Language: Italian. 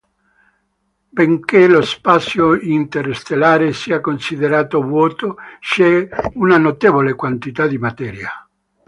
Benché lo spazio interstellare sia considerato vuoto c'è una notevole quantità di materia.